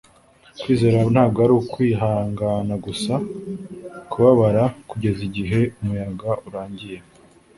kwizera ntabwo ari ukwihangana gusa kubabara kugeza igihe umuyaga urangiye